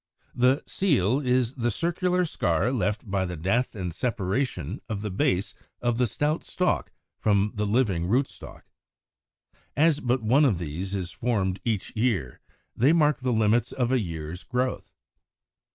The seal is the circular scar left by the death and separation of the base of the stout stalk from the living rootstock. As but one of these is formed each year, they mark the limits of a year's growth.